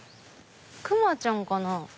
クマちゃんかな。